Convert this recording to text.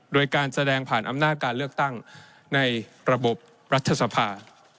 โดยการแสดงผ่านอำนาจการเลือกตั้งในระบบรัฐสภา